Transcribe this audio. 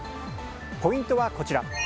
ポイントはこちら。